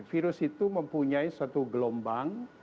virus itu mempunyai satu gelombang